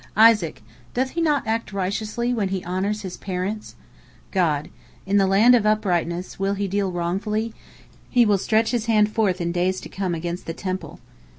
Isaac: "Doth he not act righteously when he honors his parents?" God: "In the land of uprightness will he deal wrongfully, he will stretch his hand forth in days to come against the Temple."